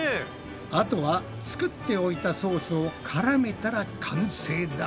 あとは作っておいたソースをからめたら完成だ。